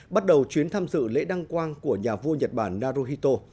bắt đầu chuyến tham dự lễ đăng quang của nhà vua nhật bản naruhito